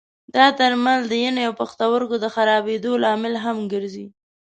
دا درمل د ینې او پښتورګي د خرابېدو لامل هم ګرځي.